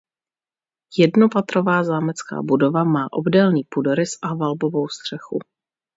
Jednopatrová zámecká budova má obdélný půdorys a valbovou střechu.